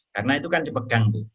karena itu kan dipegang